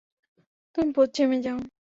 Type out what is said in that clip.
তুমি পশ্চিমে যাও।